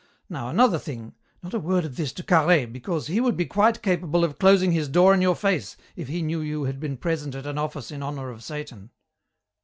Now another thing. Not a word of this to Carhaix, because he would be quite capable of closing his door in your face if he knew you had been present at an office in honour of Satan."